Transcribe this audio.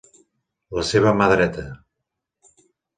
La seva mà dreta.